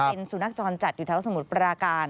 เป็นสุนัขจรจัดอยู่แถวสมุทรปราการ